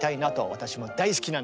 私も大好きなんで。